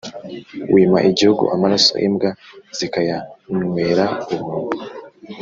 Wima igihugu amaraso, imbwa zikayanwera ubuntu.